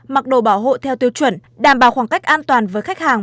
mặc đồ bảo hộ theo tiêu chuẩn đảm bảo khoảng cách an toàn với khách hàng